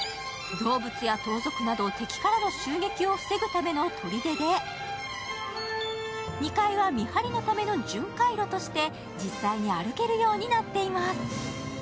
動物や盗賊など敵からの襲撃を防ぐための砦で２階は見張りのための巡回路として実際に歩けるようになっています。